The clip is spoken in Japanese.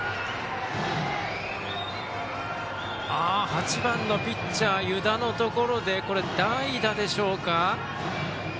８番のピッチャー、湯田のところで代打でしょうか。